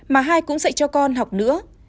má hai cũng dạy cho con học nữa